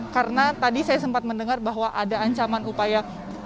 karena tadi saya sempat mendengar bahwa ada ancaman upaya